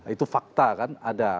itu fakta kan ada